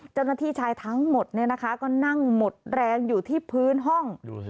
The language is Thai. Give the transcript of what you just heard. เจ้าหน้าที่ชายทั้งหมดก็นั่งหมดแรงอยู่ที่พื้นห้อง